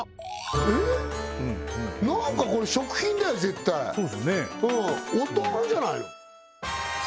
何かこれ食品だよ絶対そうっすねお豆腐じゃないの？